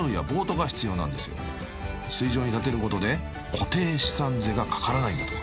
［水上に建てることで固定資産税がかからないんだとか］